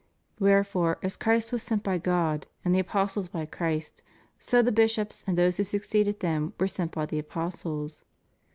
Wherefore, as Christ was sent by God and the apostles by Christ, so the bishops and those who succeeded them were sent by the apostles.